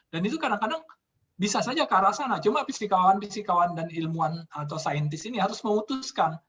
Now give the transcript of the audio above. dan itu kadang kadang bisa saja ke arah sana cuma fisikawan dan ilmuwan atau saintis ini harus memutuskan